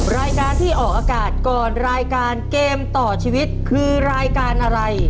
รายการที่ออกอากาศก่อนรายการเกมต่อชีวิตคือรายการอะไร